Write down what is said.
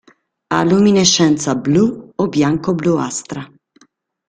Ha luminescenza blu o bianco-bluastra.